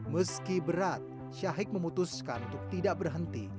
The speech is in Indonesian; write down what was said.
meski berat syahik memutuskan untuk tidak berhenti